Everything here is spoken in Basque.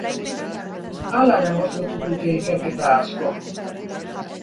Hala demostratu dute ikerketa askok.